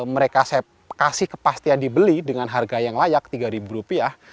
mereka saya kasih kepastian dibeli dengan harga yang layak tiga ribu rupiah